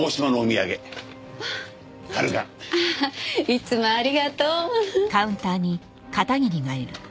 いつもありがとう。